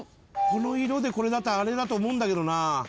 この色でこれだとあれだと思うんだけどな。